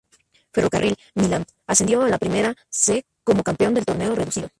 Ferrocarril Midland ascendió a la Primera C como campeón del Torneo Reducido.